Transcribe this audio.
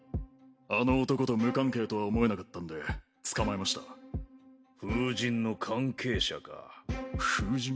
あの男と無関係とは思えなかったんで捕ま風神の関係者か風神？